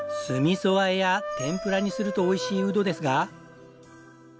酢味噌和えや天ぷらにするとおいしいうどですが。